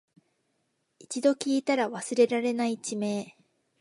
一度聞いたら忘れられない地名